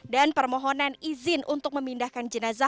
dan permohonan izin untuk memindahkan jenazah